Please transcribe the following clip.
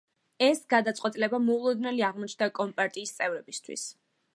ეს გადაწყვეტილება მოულოდნელი აღმოჩნდა კომპარტიის წევრებისთვის.